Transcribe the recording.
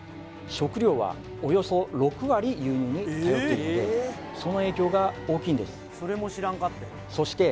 食料はおよそ６割輸入に頼っているのでその影響が大きいんですそして